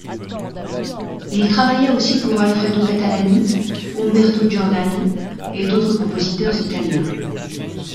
Il travailla aussi pour Alfredo Catalani, Umberto Giordano et d'autres compositeurs italiens.